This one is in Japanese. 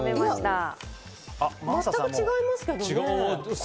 全く違いますけどね。